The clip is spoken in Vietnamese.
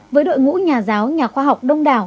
với đội ngũ nhà giáo nhà khoa học đông đảo